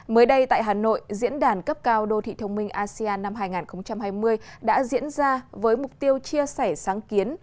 mới đây tại hà nội diễn đàn cấp cao đô thị thông minh asean năm hai nghìn hai mươi đã diễn ra với mục tiêu chia sẻ sáng kiến